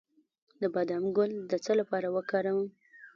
د بادام ګل د څه لپاره وکاروم؟